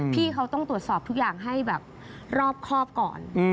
พี่เขาต้องตรวจสอบทุกอย่างให้แบบรอบครอบก่อน